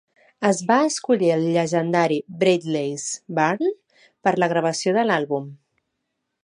Es va escollir el llegendari "Bradley's Barn" per la gravació de l'àlbum.